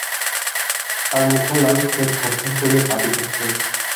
তার মুখও লাল, সে থরথর করিয়া কাঁপিতেছে।